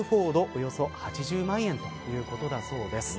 およそ８０万円ということだそうです。